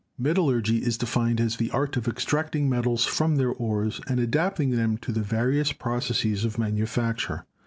Metallurgy is defined as the art of extracting metals from their ores and adapting them to the various processes of manufacture.